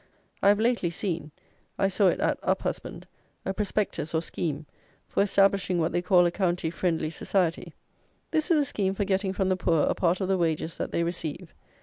I have lately seen, I saw it at Uphusband, a prospectus, or scheme, for establishing what they call a County Friendly Society. This is a scheme for getting from the poor a part of the wages that they receive.